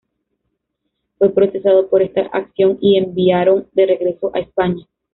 Fue procesado por esta acción y enviaron de regreso a España.